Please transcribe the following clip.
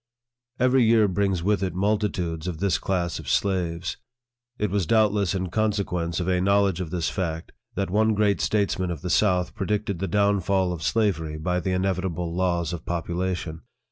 Every year brings with it multitudes of this class of slaves. It was doubtless in consequence of a knowl edge of this fact, that one great statesman of the south LIFE OF FREDERICK DOUGLASS. 5 predicted the downfall of slavery by the inevitable laws of population.